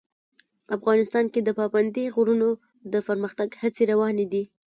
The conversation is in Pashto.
افغانستان کې د پابندي غرونو د پرمختګ هڅې روانې دي.